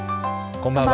こんばんは。